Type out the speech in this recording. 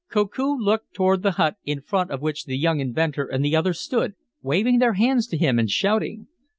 Koku looked toward the hut, in front of which the young inventor and the others stood, waving their hands to him and shouting.